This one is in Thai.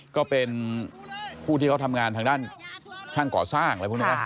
ก็เป็นผู้ที่เขาทำงานทางด้านช่างก่อสร้าง